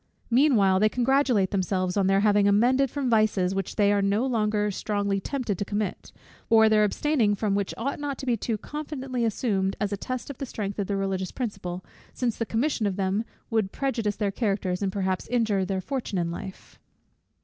Meanwhile they congratulate themselves on their having amended from vices, which they are no longer strongly tempted to commit, or their abstaining from which ought not to be too confidently assumed as a test of the strength of the religious principle, since the commission of them would prejudice their characters, and perhaps injure their fortune in life.